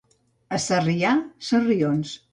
A Sarrià, sarrions.